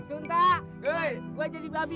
engga jadi babi